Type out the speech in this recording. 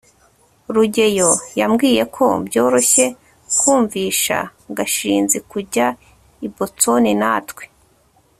rugeyo yambwiye ko byoroshye kumvisha gashinzi kujya i boston natwe